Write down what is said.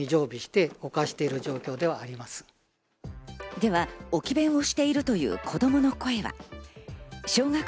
では、置き勉をしているという子供の声は？